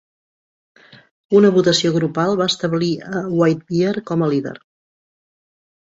Una votació grupal va establir a Whitebear com a líder.